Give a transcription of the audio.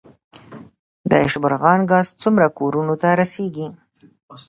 د شبرغان ګاز څومره کورونو ته رسیږي؟